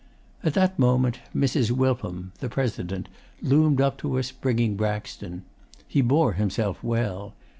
'At that moment, Mrs. Wilpham the President loomed up to us, bringing Braxton. He bore himself well.